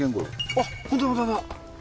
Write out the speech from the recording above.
あっ本当だ本当だ。